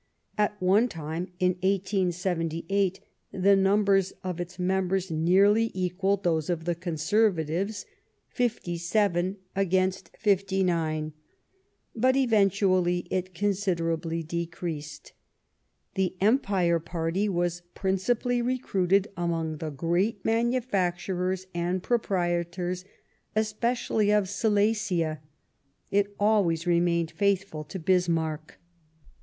At one time, in 1878, the numbers of its members nearly equalled those of the Conservatives — 57 against 59 ; but eventually it considerably decreased. The Empire Party was principally recruited among the great manufacturers and proprietors, especially of Silesia. It always re mained faithful to Bismarck.